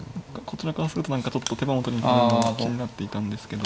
こちらからすると何かちょっと手番を取りに行くような気になっていたんですけど。